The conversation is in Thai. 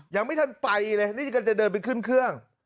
ยังไม่ทันไปเลยนี่กำลังจะเดินไปขึ้นเครื่อง